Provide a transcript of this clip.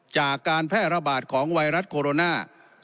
จากการแพร่ระบาดของไวรัสโคโรนา